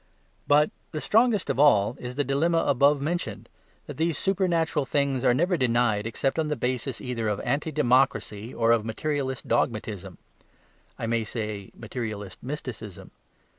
But the strongest of all is the dilemma above mentioned, that these supernatural things are never denied except on the basis either of anti democracy or of materialist dogmatism I may say materialist mysticism.